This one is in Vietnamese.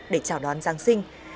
để chào đón giáng sinh